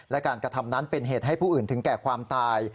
และการกระทำนั้นเป็นเหตุให้ผู้อื่นถึงแก่ความตาย